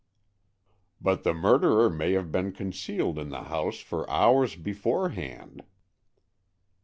"But the murderer may have been concealed in the house for hours beforehand."